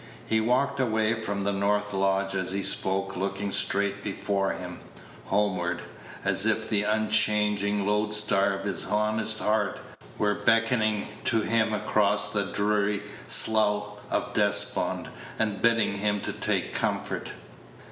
He walked away from the north lodge as he spoke, looking straight before him, homeward, as if the unchanging load star of his honest heart were beckoning to him across the dreary Slough of Despond, and bidding him take comfort.